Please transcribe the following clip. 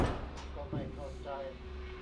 ก็ไม่เข้าใจ